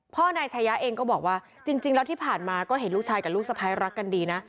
พี่บอกว่าจริงแล้วที่ผ่านมาก็เห็นลูกชายกับลูกสะพายรักกันดีนะ